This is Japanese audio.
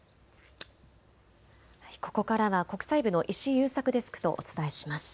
ここからは国際部の石井勇作デスクとお伝えします。